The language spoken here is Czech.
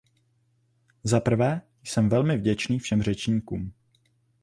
Za prvé, jsem velmi vděčný všem řečníkům.